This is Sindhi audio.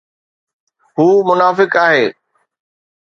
هو منافق آهي